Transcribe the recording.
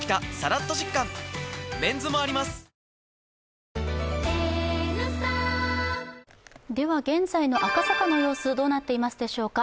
わかるぞでは現在の赤坂の様子どうなっていますでしょうか。